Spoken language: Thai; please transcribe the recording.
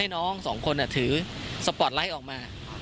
นะคะ